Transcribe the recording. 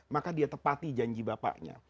maka dia tepati janji bapaknya